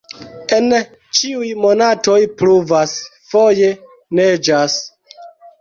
En ĉiuj monatoj pluvas, foje neĝas.